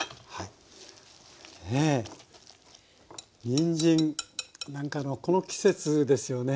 にんじん何かあのこの季節ですよね。